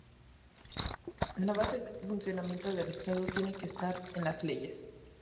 La base del funcionamiento del estado tiene que estar en las leyes.